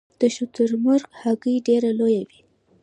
د شترمرغ هګۍ ډیره لویه وي